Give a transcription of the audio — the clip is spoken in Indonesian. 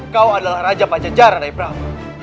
kau adalah raja pajajara rai prabu